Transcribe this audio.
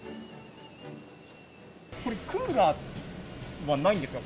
これ、クーラーはないんですか？